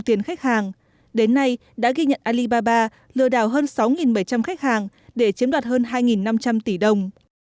đến nay đã ghi nhận alibaba lừa đảo hơn sáu bảy trăm linh khách hàng để chiếm đoạt hơn hai năm trăm linh tỷ đồng